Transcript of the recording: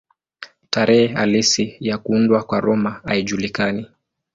Tarehe halisi ya kuundwa kwa Roma haijulikani.